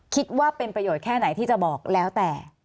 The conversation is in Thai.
คิดว่าเป็นประโยชน์แค่ไหนที่จะบอกแล้วแต่